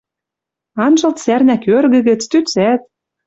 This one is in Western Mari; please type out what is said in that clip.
Анжылт сӓрнӓ кӧргӹ гӹц, тӱцӓт.